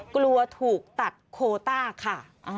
กลัวถูกตัดโคต้าค่ะ